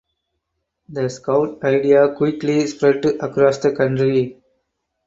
The Scout idea quickly spread across the country.